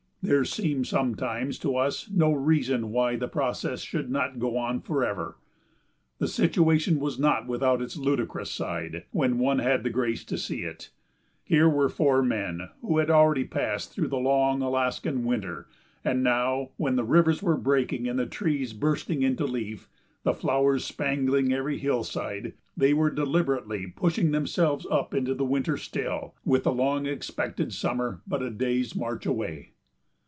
There seemed sometimes to us no reason why the process should not go on forever. The situation was not without its ludicrous side, when one had the grace to see it. Here were four men who had already passed through the long Alaskan winter, and now, when the rivers were breaking and the trees bursting into leaf, the flowers spangling every hillside, they were deliberately pushing themselves up into the winter still, with the long expected summer but a day's march away.